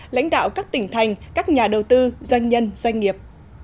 lãnh đạo các tỉnh thành các nhà đầu tư doanh nhân doanh nghiệp